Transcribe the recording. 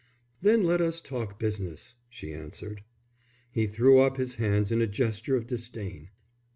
"Then let us talk business," she answered. He threw up his hands in a gesture of disdain.